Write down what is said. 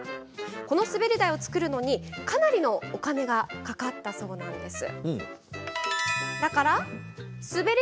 この滑り台を作るのに、かなりのお金がかかったそうです。